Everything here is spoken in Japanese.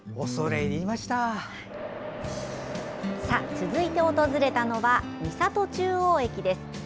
続いて訪れたのは三郷中央駅です。